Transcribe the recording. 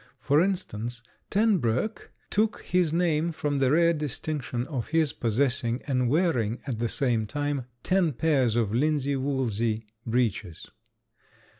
For instance, Tenbroeck took his name from the rare distinction of his possessing and wearing at the same time ten pairs of linsey woolsey breeches.